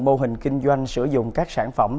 mô hình kinh doanh sử dụng các sản phẩm